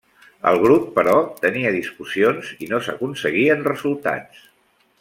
El grup, però, tenia discussions i no s'aconseguien resultats.